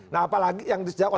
nah apalagi yang dijangkau